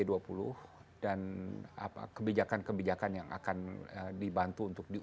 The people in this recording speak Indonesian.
dan kebijakan kebijakan yang akan dibantu untuk diunggah